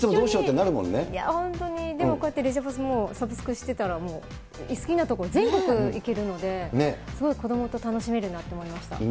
本当に、でもこうやってレジャパスもサブスクしてたら、好きなところ、全国行けるので、すごい子どもと楽しめるなと思いました。